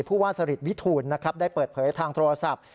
ผู้ว่าสริตวิทูลได้เปิดเผยทางโทรศัพท์